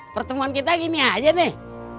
pertemuan kita gini aja deh